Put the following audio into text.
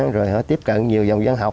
rồi họ tiếp cận nhiều dòng văn học